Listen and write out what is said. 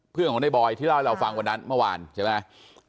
เพื่อนของในบอยที่เล่าให้เราฟังวันนั้นเมื่อวานใช่ไหม